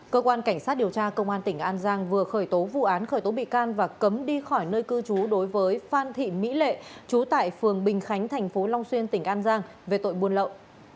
cơ quan cảnh sát điều tra công an tỉnh an giang vừa khởi tố vụ án khởi tố bị can và cấm đi khỏi nơi cư trú đối với phan thị mỹ lệ chú tại phường bình khánh thành phố long xuyên tỉnh an giang về tội buôn lậu